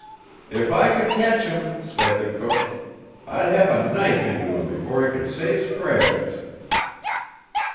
"If I could catch him," said the cook, "I'd have a knife into him before he could say his prayers."